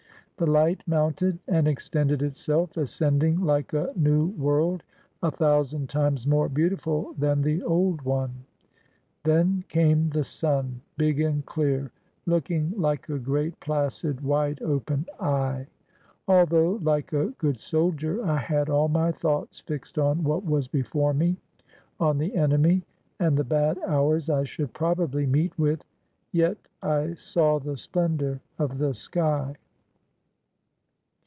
The light mounted and extended itself, ascending like a new world a thousand times more beautiful than the old one. Then came the sun, big and clear, looking like a great, placid, wide open eye. Although like a good sol dier I had all my thoughts fixed on what was before me, on the enemy, and the bad hours I should probably meet with, yet I saw the splendor of the sky.